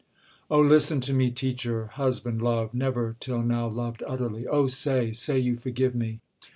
Oh listen to me, teacher, husband, love, Never till now loved utterly! Oh say, Say you forgive me!